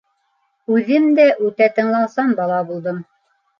Үҙем дә үтә тыңлаусан бала булдым.